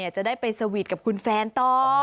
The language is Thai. จะได้ไปสวีทกับคุณแฟนต่อ